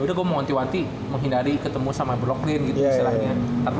yaudah gue mau nanti nanti menghindari ketemu sama brooklyn gitu istilahnya